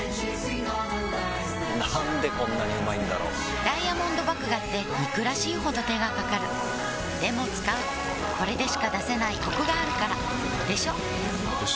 なんでこんなにうまいんだろうダイヤモンド麦芽って憎らしいほど手がかかるでも使うこれでしか出せないコクがあるからでしょよ